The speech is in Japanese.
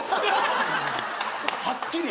はっきり。